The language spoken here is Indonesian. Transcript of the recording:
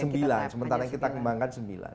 sembilan sementara kita mengembangkan sembilan